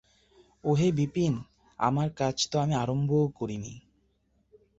ওহে বিপিন, আমার কাজ তো আমি আরম্ভও করি নি।